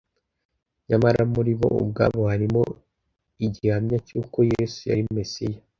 nyamara muri bo ubwabo harimo igihamya cy’uko yesu yari mesiya